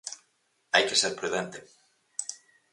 Hai que ser prudente.